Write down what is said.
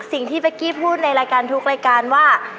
เป๊กกี้พูดในรายการทุกรายการว่า